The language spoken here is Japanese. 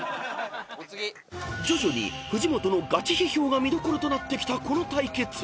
［徐々に藤本のガチ批評が見どころとなってきたこの対決］